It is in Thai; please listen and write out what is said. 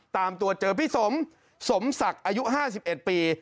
ตามตัวเจอพี่สมสมศักดิ์อายุ๕๑ปี